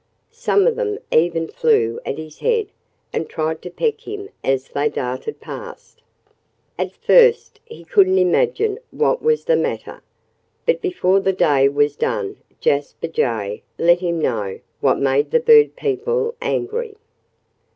Some of them even flew at his head and tried to peck him as they darted past. At first he couldn't imagine what was the matter. But before the day was done Jasper Jay let him know what made the bird people angry.